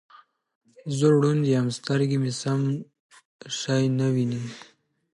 زه ړوند یم سترګې مې سم شی نه وینې